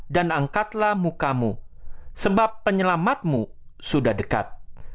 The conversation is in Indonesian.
dan angkatlah mukamu sebab penyelamatmu sudah dekat